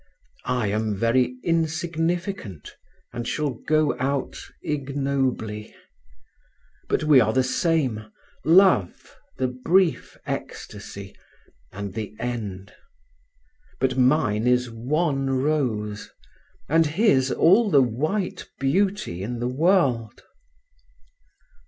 I am very insignificant, and shall go out ignobly. But we are the same; love, the brief ecstasy, and the end. But mine is one rose, and His all the white beauty in the world."